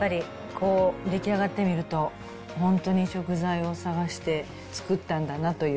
こう、出来上がってみると、本当に食材を探して作ったんだなという。